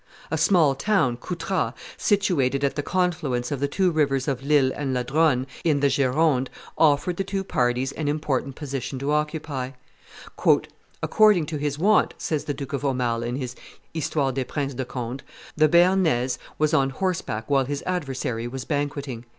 A small town, Coutras, situated at the confluence of the two rivers of L'Isle and La Dronne, in the Gironde, offered the two parties an important position to occupy. "According to his wont," says the Duke of Aumale in his Histoire des Princes de Conde, "the Bearnese was on horseback whilst his adversary was banqueting."